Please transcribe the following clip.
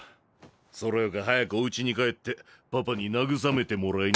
それよか早くおうちに帰ってパパに慰めてもらいな。